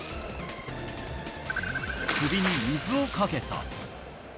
首に水をかけた。